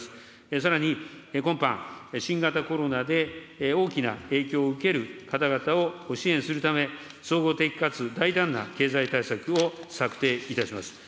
さらに今般、新型コロナで大きな影響を受ける方々を支援するため、総合的かつ大胆な経済対策を策定いたします。